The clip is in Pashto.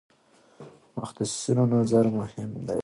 د متخصصینو نظر مهم دی.